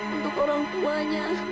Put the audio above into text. untuk orang tuanya